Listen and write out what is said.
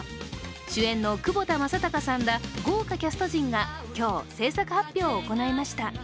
主演の窪田正孝さんら豪華キャスト陣が今日、製作発表を行いました。